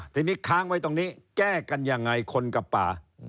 ทีนี้ค้างไว้ตรงนี้แก้กันยังไงคนกับป่า